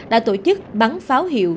đã tổ chức bắn pháo hiệu